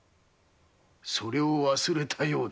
それを忘れたようだな。